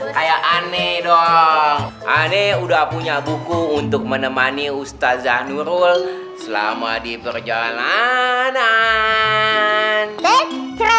kayak aneh dong aneh udah punya buku untuk menemani ustadzah nurul selama diperjalanan